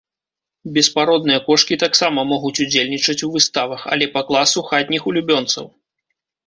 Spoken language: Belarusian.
Беспародныя кошкі таксама могуць удзельнічаць у выставах, але па класу хатніх улюбёнцаў.